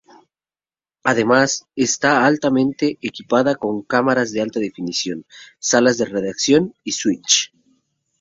Además, está altamente equipada con cámaras de alta definición, salas de redacción y "switch".